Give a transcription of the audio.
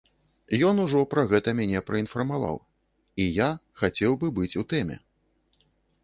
Ён ужо пра гэта мяне праінфармаваў і я хацеў бы быць у тэме.